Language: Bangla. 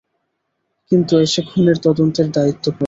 কিন্তু এসে খুনের তদন্তের দায়িত্ব পড়ল।